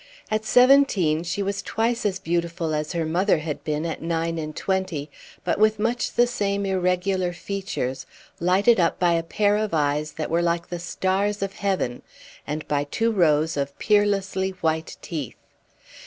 At seventeen she was twice as beautiful as her mother had been at nine and twenty, but with much the same irregular features, lighted up by a pair of eyes that were like the stars of heaven, and by two rows of peerlessly white teeth.